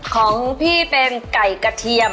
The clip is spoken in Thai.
แคมเปี่ยล